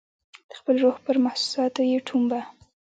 د خپل روح پر محسوساتو یې ټومبه